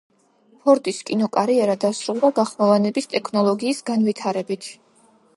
ფორდის კინოკარიერა დასრულდა გახმოვანების ტექნოლოგიის განვითარებით.